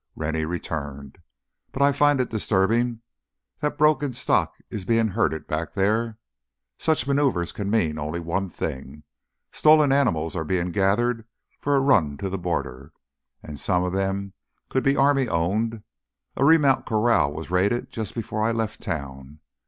Rennie returned. "But I find it disturbing that broken stock is being herded back there. Such maneuvers can mean only one thing—stolen animals are being gathered for a run to the border. And some of them could be army owned; a remount corral was raided just before I left town.